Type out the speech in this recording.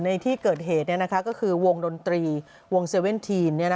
ในที่เกิดเหตุเนี่ยนะคะก็คือวงดนตรีวงเซเว่นทีนเนี่ยนะ